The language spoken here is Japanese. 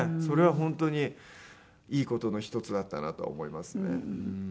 それは本当にいい事の１つだったなとは思いますね。